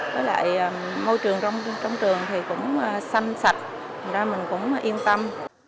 với lại môi trường trong trường thì cũng xanh sạch thành ra mình cũng yên tâm